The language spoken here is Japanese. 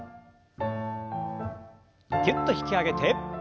ぎゅっと引き上げて。